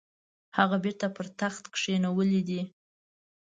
هغه بیرته پر تخت کښېنولی دی.